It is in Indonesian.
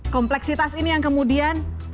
kompleksitas ini yang kemudian